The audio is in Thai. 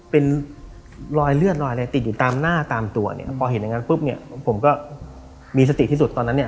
เป็นรอยเลือดรอยอะไรติดอยู่ตามหน้าตามตัวเนี่ยพอเห็นอย่างนั้นปุ๊บเนี่ยผมก็มีสติที่สุดตอนนั้นเนี่ย